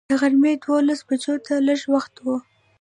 د غرمې دولس بجو ته لږ وخت و.